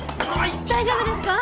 大丈夫ですか？